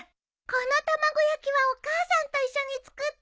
この卵焼きはお母さんと一緒に作ったの。